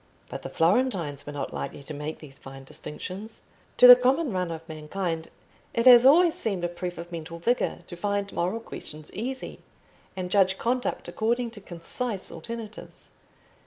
But the Florentines were not likely to make these fine distinctions. To the common run of mankind it has always seemed a proof of mental vigour to find moral questions easy, and judge conduct according to concise alternatives.